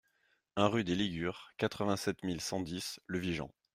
un rue des Ligures, quatre-vingt-sept mille cent dix Le Vigen